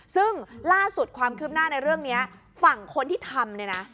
ซึ่งล่าสุดความคืบหน้าในเรื่องนี้ฝั่งคนที่ทำเนี่ยนะ